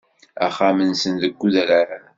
Axxam-nsen deg udrar.